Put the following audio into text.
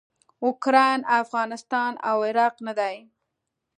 اوکراین افغانستان او عراق نه دي.